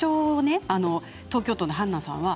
東京都の方です。